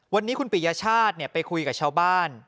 วันนี้คุณปิญญาชาติเนี่ยไปคุยกับเช้าบ้าน